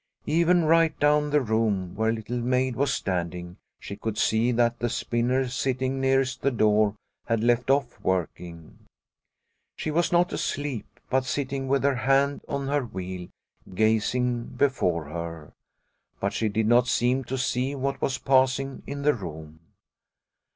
Even right down the room, where Little Maid was standing, she could see that the spinner sitting nearest the door had left off working. She was not asleep, but sitting with her hand on her wheel, gazing before her. But she did not seem to see what was passing in the room.